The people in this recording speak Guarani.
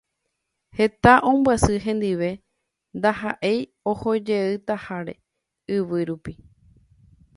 Heta ombyasy hendive ndahaʼéi ohojeytaháre yvy rupi.